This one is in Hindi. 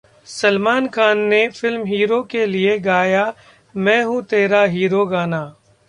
सलमान खान ने फिल्म 'हीरो' के लिए गाया 'मैं हूं तेरा हीरो' गाना